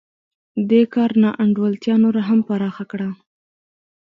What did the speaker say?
دې کار نا انډولتیا نوره هم پراخه کړه